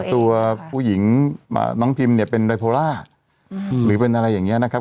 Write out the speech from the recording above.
ตัวผู้หญิงน้องพิมเนี่ยเป็นไบโพล่าหรือเป็นอะไรอย่างนี้นะครับ